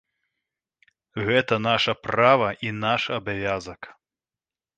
Гэта наша права і наш абавязак.